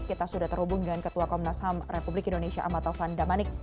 kita sudah terhubung dengan ketua komnas ham republik indonesia ahmad taufan damanik